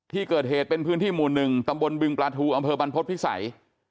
ที่เกิดเหตุเป็นพื้นที่หมู่๑ตำบลบึงปลาทูอำเภอบรรพฤษภิษัย